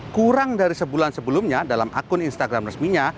kurang dari sebulan sebelumnya dalam akun instagram resminya